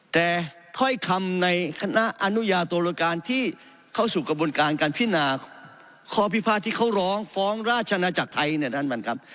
แต่ค่อยคำในคณะอนุญาโตรการที่เข้าสู่กระบวนการการพินาของพิพาทที่เขาร้องฟ้องราชนาจักรไทย